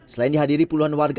selain dihadiri puluhan warga